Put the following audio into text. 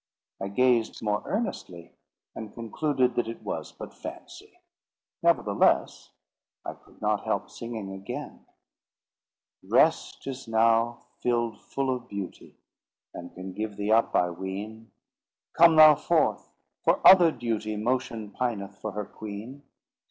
I gazed more earnestly, and concluded that it was but fancy. Neverthless I could not help singing again— "Rest is now filled full of beauty, And can give thee up, I ween; Come thou forth, for other duty Motion pineth for her queen.